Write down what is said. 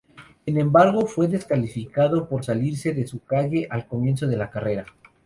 Sin embargo fue descalificado por salirse de su calle al comienzo de la carrera.